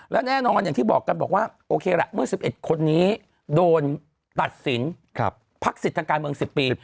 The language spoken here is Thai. และแน่นอนอย่างที่บอกกันบอกว่าโอเคละเมื่อ๑๑คนนี้โดนตัดสินพักสิทธิ์ทางการเมือง๑๐ปี